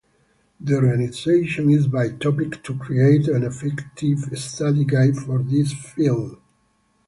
The organization is by topic to create an effective Study Guide for this field.